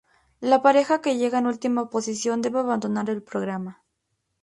La pareja que llega en última posición debe abandonar el programa.